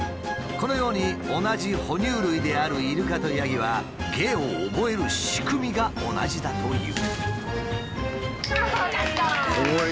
このように同じ哺乳類であるイルカとヤギは芸を覚える仕組みが同じだという。